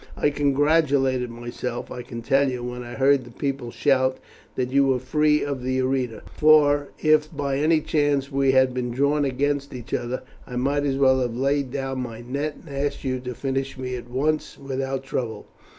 I congratulated myself, I can tell you, when I heard the people shout that you were free of the arena, for if by any chance we had been drawn against each other, I might as well have laid down my net and asked you to finish me at once without trouble."